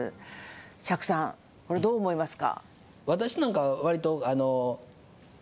釈さん、これどう思いますか？